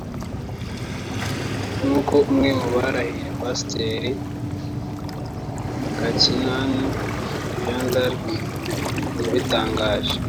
nk’uko umwe mu barahiye Pasiteri Mukakinani Jeanne D’arc yabitangaje